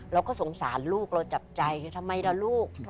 เราก็สงสารลูกเราจับใจทำไมล่ะลูก